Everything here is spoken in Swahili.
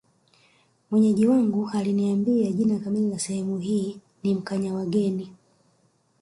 Mwenyeji wangu aliniambia jina kamili la sehemu hii ni Mkanyawageni